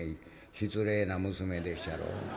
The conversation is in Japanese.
失礼な娘でっしゃろ？